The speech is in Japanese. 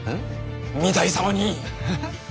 御台様に！